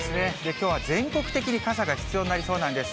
きょうは全国的に傘が必要になりそうなんです。